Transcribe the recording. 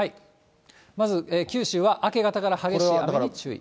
まず九州は明け方から激しい雨に注意。